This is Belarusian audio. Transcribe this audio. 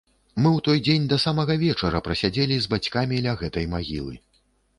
Мы ў той дзень да самага вечара прасядзелі з бацькам ля гэтай магілы.